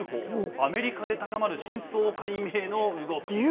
アメリカで高まる真相解明の動き。